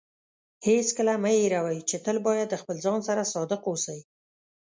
هیڅکله مه هېروئ چې تل باید د خپل ځان سره صادق اوسئ.